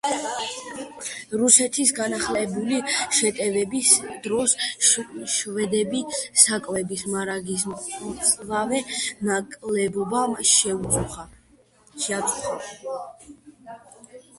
რუსეთის განახლებული შეტევების დროს შვედები საკვების მარაგის მწვავე ნაკლებობამ შეაწუხა.